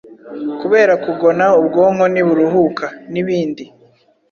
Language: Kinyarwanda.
Kubera kugona ubwonko ntiburuhuka, n’ibindi.